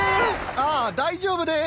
あっ大丈夫です。